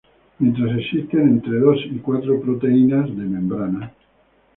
Mientras existen entre dos y cuatro proteínas de membrana.